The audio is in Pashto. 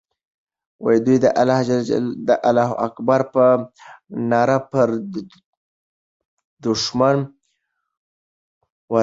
دوی د الله اکبر په ناره پر دښمن ورغلل.